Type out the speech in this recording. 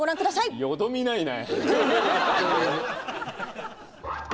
よどみないね。